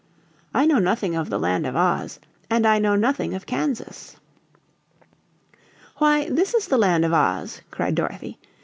I know nothing of the Land of Oz, and I know nothing of Kansas." "Why, this is the Land of Oz!" cried Dorothy.